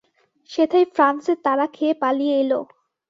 সেথায় ফ্রান্সের তাড়া খেয়ে পালিয়ে এল।